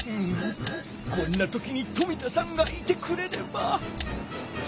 こんな時に冨田さんがいてくれれば。